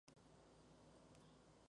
Daniel "Mr.